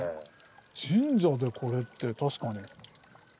神社でこれって確かに。